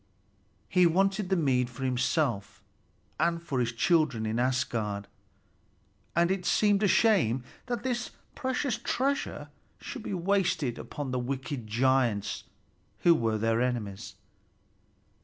He wanted the mead for himself and for his children in Asgard, and it seemed a shame that this precious treasure should be wasted upon the wicked giants who were their enemies.